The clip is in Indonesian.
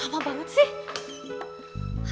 lama banget sih